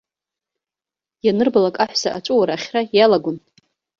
Ианырбалак аҳәса аҵәыуара-ахьра иалагон.